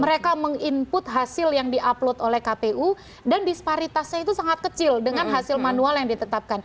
mereka meng input hasil yang di upload oleh kpu dan disparitasnya itu sangat kecil dengan hasil manual yang ditetapkan